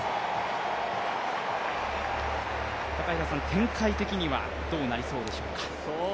展開的にはどうなりそうでしょうか。